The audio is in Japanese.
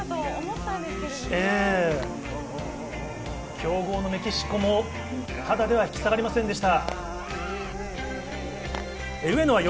強豪のメキシコもただでは引き下がりませんでした。